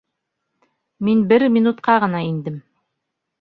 — Мин бер минутҡа ғына индем